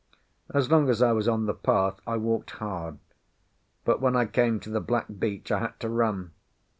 As long as I was on the path I walked hard, but when I came to the black beach I had to run.